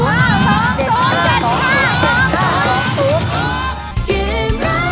โอ้โฮ